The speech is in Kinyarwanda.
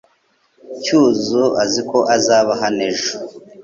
Cyuzuzo azi ko azaba hano ejo .